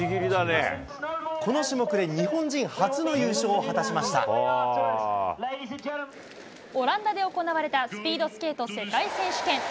この種目で日本人初の優勝を果たオランダで行われたスピードスケート世界選手権。